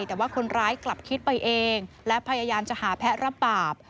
แต่ว่าคนร้ายกลับคิดไปเองและพยายามจะหาแพ้รับบาป